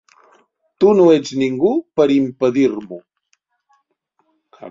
Tu no ets ningú per a impedir-m'ho.